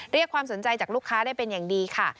เรียกความสนใจจากลูกค้าได้เป็นอย่างดีค่ะ